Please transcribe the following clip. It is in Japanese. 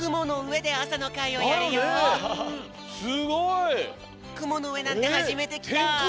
すごい！くものうえなんてはじめてきた！